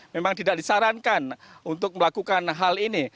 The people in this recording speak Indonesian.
memang tidak disarankan untuk melakukan hal ini